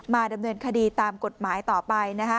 ดำเนินคดีตามกฎหมายต่อไปนะคะ